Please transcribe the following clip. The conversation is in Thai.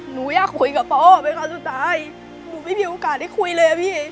หนูอยากคุยกับปอเป็นครั้งสุดท้ายหนูไม่มีโอกาสได้คุยเลยอะพี่